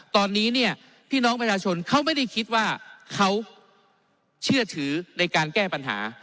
ตอนนี้เนี่ยพี่น้องประชาชนเขาไม่ได้คิดว่าเขาเชื่อถือในการแก้ปัญหา